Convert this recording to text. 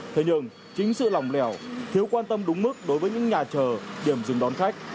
thế nhưng chính sự lỏng lẻo thiếu quan tâm đúng mức đối với những nhà chờ điểm dừng đón khách